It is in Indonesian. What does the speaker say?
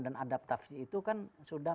dan adaptasi itu kan sudah